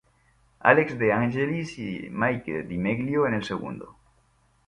Alex De Angelis y Mike Di Meglio en el segundo.